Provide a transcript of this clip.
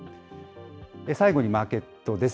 最後にマーケットです。